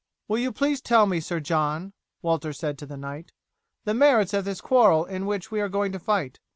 "Will you please tell me, Sir John," Walter said to the knight, "the merits of this quarrel in which we are going to fight?